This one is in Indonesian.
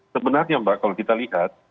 sebenarnya mbak kalau kita lihat